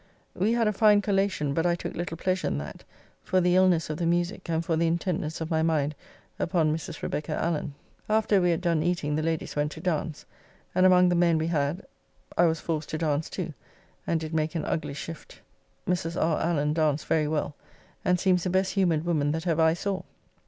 We had a fine collacion, but I took little pleasure in that, for the illness of the musique and for the intentness of my mind upon Mrs. Rebecca Allen. After we had done eating, the ladies went to dance, and among the men we had, I was forced to dance too; and did make an ugly shift. Mrs. R. Allen danced very well, and seems the best humoured woman that ever I saw.